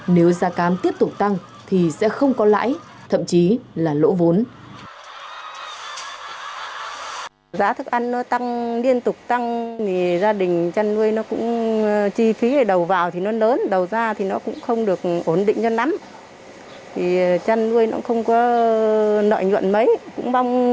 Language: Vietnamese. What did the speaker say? nếu giá cám tiếp tục tăng thì sẽ không có lãi thậm chí là lỗ vốn